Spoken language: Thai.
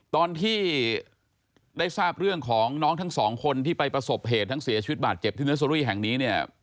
ตอนที่ได้ทราบเรื่องของน้องทั้งสองคนที่ไปประสบเหตุทั้งเสียชีวิตบาดเจ็บที่เนอร์เซอรี่แห่งนี้เนี่ย